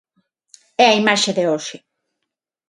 É a imaxe de hoxe.